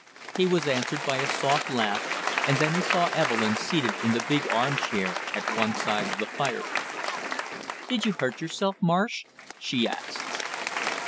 He was answered by a soft laugh, and then he saw Evelyn seated in the big arm chair at one side of the fireplace. "Did you hurt yourself, Marsh?" she asked.